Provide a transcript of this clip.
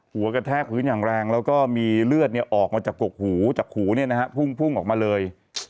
หัวกระแทกพื้นอย่างแรงแล้วก็มีเลือดเนี่ยออกมาจากกรกหูจากหูเนี่ยนะฮะพุ่งพุ่งออกมาเลย